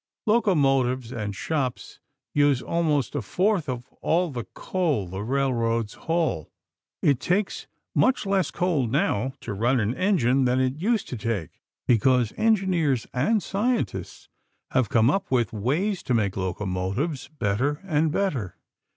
Locomotives and shops use almost a fourth of all the coal the railroads haul. It takes much less coal now to run an engine than it used to take, because engineers and scientists have thought up ways to make locomotives better and better.